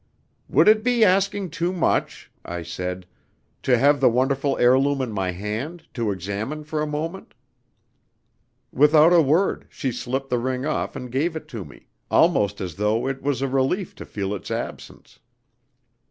"Would it be asking too much," I said, "to have the wonderful heirloom in my hand to examine for a moment?" Without a word she slipped the ring off and gave it to me, almost as though it was a relief to feel its absence.